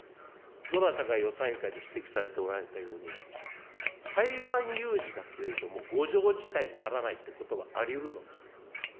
どなたか予算委員会で指摘しておられたように、台湾有事だけれども、ごじょう事態にならないということはありうるのです。